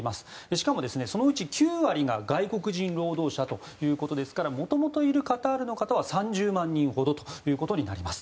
しかも、そのうち９割が外国人労働者ということですから元々いるカタールの方は３０万人ほどとなります。